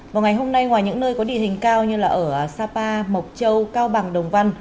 vào ngày hôm nay ngoài những nơi có địa hình cao như là ở sapa mộc châu cao bằng đồng văn